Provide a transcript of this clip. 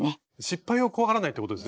失敗を怖がらないってこと？